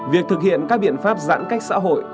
việc thực hiện các biện pháp giãn cách xã hội